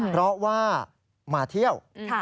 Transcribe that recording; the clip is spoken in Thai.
เพราะว่ามาเที่ยว